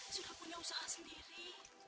sudah punya usaha sendiri